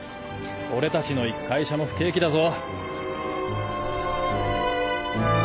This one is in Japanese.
俺たちの行く会社も不景気だぞ。